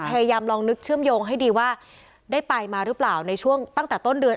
พยายามลองนึกเชื่อมโยงให้ดีว่าได้ไปมาหรือเปล่าในช่วงตั้งแต่ต้นเดือน